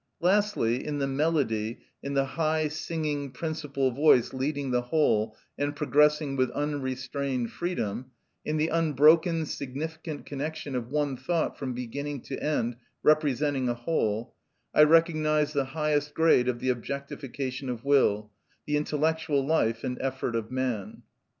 Lastly, in the melody, in the high, singing, principal voice leading the whole and progressing with unrestrained freedom, in the unbroken significant connection of one thought from beginning to end representing a whole, I recognise the highest grade of the objectification of will, the intellectual life and effort of man.